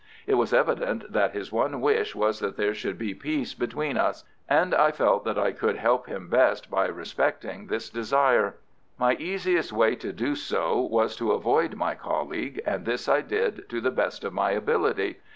It was evident that his one wish was that there should be peace between us, and I felt that I could help him best by respecting this desire. My easiest way to do so was to avoid my colleague, and this I did to the best of my ability.